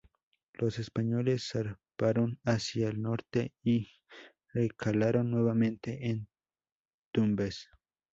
Los españoles zarparon hacia el norte y recalaron nuevamente en Tumbes.